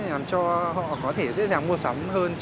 làm cho họ có thể dễ dàng mua sắm hơn